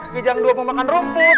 gijang dua mau makan rumput